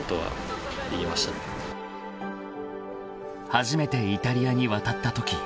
［初めてイタリアに渡ったとき